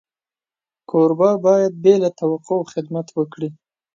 کوربه باید بې له توقع خدمت وکړي.